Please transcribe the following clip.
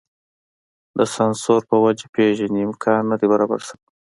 د سانسور په وجه پېژندنې امکان نه دی برابر شوی.